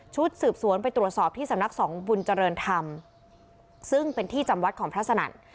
สืบสวนไปตรวจสอบที่สำนักสงฆ์บุญเจริญธรรมซึ่งเป็นที่จำวัดของพระสนั่น